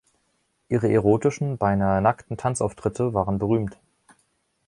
Ihre erotischen, beinahe nackten Tanzauftritte waren berühmt.